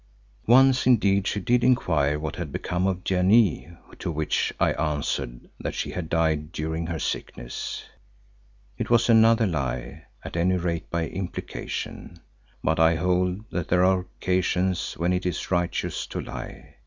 Once indeed she did inquire what had become of Janee to which I answered that she had died during her sickness. It was another lie, at any rate by implication, but I hold that there are occasions when it is righteous to lie.